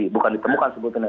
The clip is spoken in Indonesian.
bukan ditemukan sebetulnya